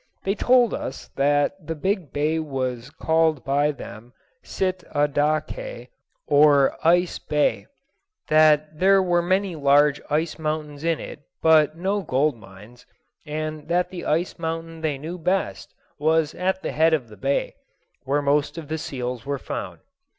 They told us that the big bay was called by them Sit a da kay, or Ice Bay; that there were many large ice mountains in it, but no gold mines; and that the ice mountain they knew best was at the head of the bay, where most of the seals were found.